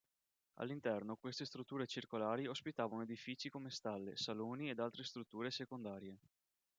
All'interno queste strutture circolari ospitavano edifici come stalle, saloni ed altre strutture secondarie.